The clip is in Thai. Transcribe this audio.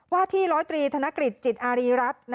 ว่าที่๑๐๓ธนกฤษจิตอารีรัฐ